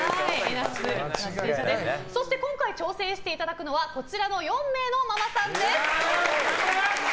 そして今回挑戦していただくのはこちらの４名のママさんです。